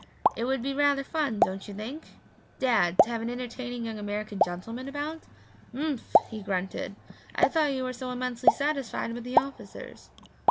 It would be rather fun, don't you think, Dad, to have an entertaining young American gentleman about?' 'Ump!' he grunted. 'I thought you were so immensely satisfied with the officers.'